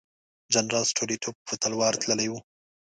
جنرال ستولیتوف په تلوار تللی وو.